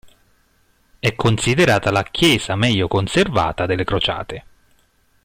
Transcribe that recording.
È considerata la chiesa meglio conservata delle crociate.